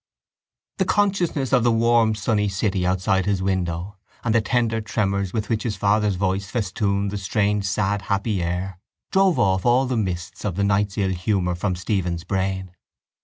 The consciousness of the warm sunny city outside his window and the tender tremors with which his father's voice festooned the strange sad happy air, drove off all the mists of the night's ill humour from Stephen's brain.